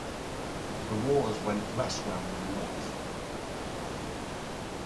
The wars went less well in the north.